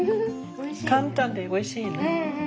簡単でおいしいね。